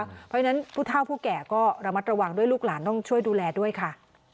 เพราะฉะนั้นผู้เท่าผู้แก่ก็ระมัดระวังด้วยลูกหลานต้องช่วยดูแลด้วยค่ะ